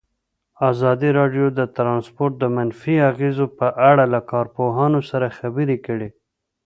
ازادي راډیو د ترانسپورټ د منفي اغېزو په اړه له کارپوهانو سره خبرې کړي.